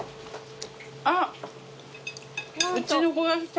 あっうちの子が来た。